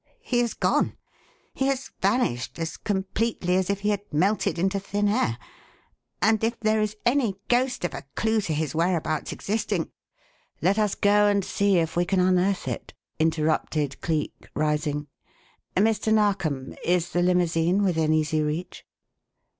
He has gone, he has vanished, as completely as if he had melted into thin air, and if there is any ghost of a clue to his whereabouts existing " "Let us go and see if we can unearth it," interrupted Cleek, rising. "Mr. Narkom, is the limousine within easy reach?"